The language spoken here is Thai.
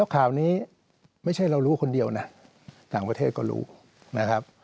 ข่าวนี้ไม่ใช่เรารู้คนเดียวนะต่างประเทศก็รู้นะครับ